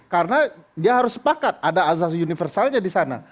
karena dia harus sepakat ada azas universalnya disana